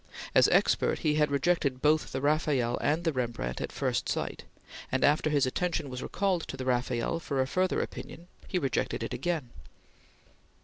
As expert he had rejected both the Rafael and the Rembrandt at first sight, and after his attention was recalled to the Rafael for a further opinion he rejected it again.